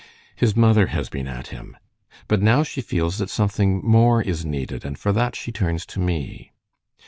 His mother has been at him. But now she feels that something more is needed, and for that she turns to me.